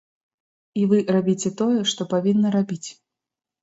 І вы рабіце тое, што павінны рабіць.